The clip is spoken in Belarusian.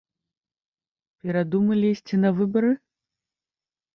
Перадумалі ісці на выбары?